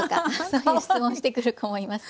そういう質問してくる子もいます。